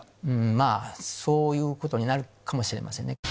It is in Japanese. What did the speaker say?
まぁそういうことになるかもしれませんね。